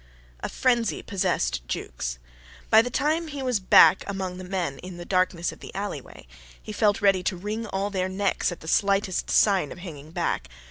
A frenzy possessed Jukes. By the time he was back amongst the men in the darkness of the alleyway, he felt ready to wring all their necks at the slightest sign of hanging back.